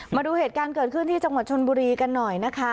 มาดูเหตุการณ์เกิดขึ้นที่จังหวัดชนบุรีกันหน่อยนะคะ